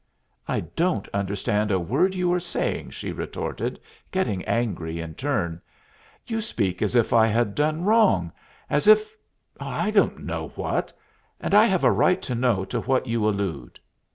"I don't understand a word you are saying," she retorted, getting angry in turn. "You speak as if I had done wrong, as if I don't know what; and I have a right to know to what you allude."